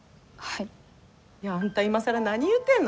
いやあんた今更何言うてんの？